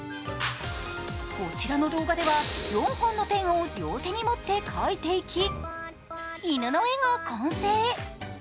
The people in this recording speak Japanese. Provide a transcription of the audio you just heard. こちらの動画では、４本のペンを両手に持って描いていき犬の絵が完成。